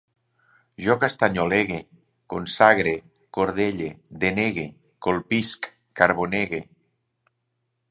Jo castanyolege, consagre, cordelle, denegue, colpisc, carbonege